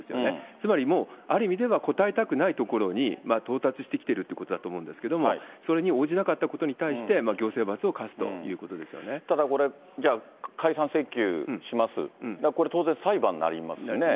つまりもうある意味では答えたくないところに到達してきてるということだと思うんですけれども、それに応じなかったことに対して、ただこれ、じゃあ、解散請求します、これ、当然、裁判になりますよね。